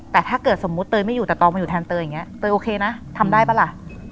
แต่ถ้าเกิดสมมุติเตยไม่อยู่แต่ตองมาอยู่แทนเตยอย่างนี้เตยโอเคนะทำได้ป่ะล่ะ